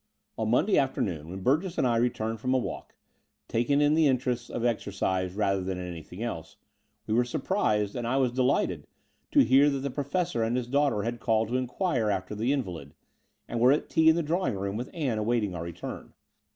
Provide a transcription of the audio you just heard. On Monday afternoon, when Burgess and I re turned from a walk, taken in the interests of exer cise rather than anything else, we were surprised — and I was delighted — to hear that the Professor and his daughter had called to inquire after the invalid, and were at tea in the drawing room with Ann, awaiting our return.